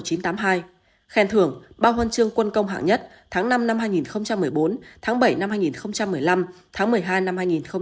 khen thưởng bao huân chương quân công hạng nhất tháng năm năm hai nghìn một mươi bốn tháng bảy năm hai nghìn một mươi năm